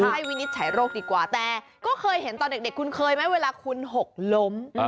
วินิจฉัยโรคดีกว่าแต่ก็เคยเห็นตอนเด็กคุณเคยไหมเวลาคุณหกล้ม